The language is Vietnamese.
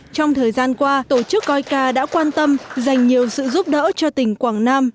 trong thời gian qua tổ chức coica đã quan tâm dành nhiều sự giúp đỡ cho tỉnh quảng nam